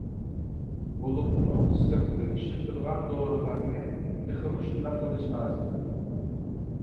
بولۇپمۇ سىرتتىن ئىشلىتىدىغان دورىلارنى تېخىمۇ شۇنداق قىلىش لازىم.